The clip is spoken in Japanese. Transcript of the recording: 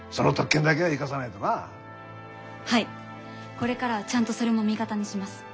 これからはちゃんとそれも味方にします。